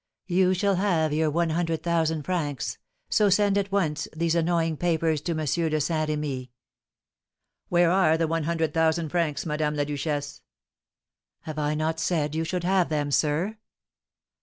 "You shall have your one hundred thousand francs; so send, at once, these annoying papers to M. de Saint Remy." "Where are the one hundred thousand francs, Madame la Duchesse?" "Have I not said you should have them, sir?"